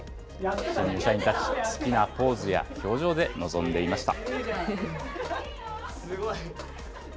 新入社員たち、好きなポーズや表情で臨んでいました。